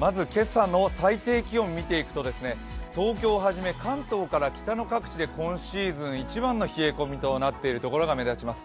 まず今朝の最低気温を見ていくと東京をはじめ関東から北の各地で今シーズン一番の冷え込みとなっているのが目立ちます。